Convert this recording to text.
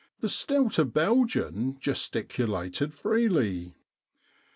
The stouter Belgian gesticulated freely.